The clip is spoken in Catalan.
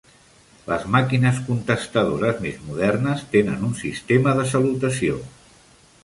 Les màquines contestadores més modernes tenen un sistema de salutació.